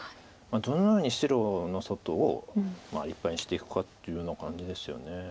どのように白の外を立派にしていくかっていうような感じですよね。